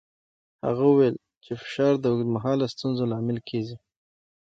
هغه وویل چې فشار د اوږدمهاله ستونزو لامل کېږي.